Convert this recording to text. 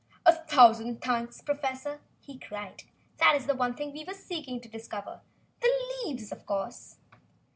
"A thousand thanks, professor!" he cried. "That is the one thing we were seeking to discover. The leaves, of course!"